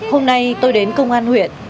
hôm nay tôi đến công an huyện